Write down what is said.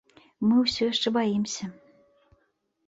Мы ўсё яшчэ баімся.